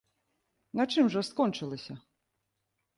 На чым жа скончылася?